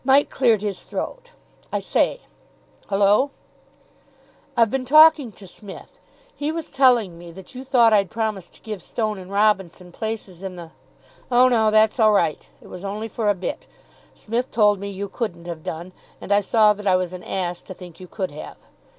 Mike cleared his throat. "I say." "Hullo?" "I've been talking to Smith. He was telling me that you thought I'd promised to give Stone and Robinson places in the " "Oh, no, that's all right. It was only for a bit. Smith told me you couldn't have done, and I saw that I was an ass to think you could have.